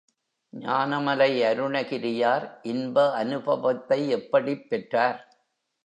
ஞான மலை அருணகிரியார் இன்ப அநுபவத்தை எப்படிப் பெற்றார்?